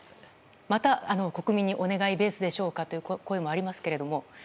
また国民にお願いベースでしょうかという声もありますけど？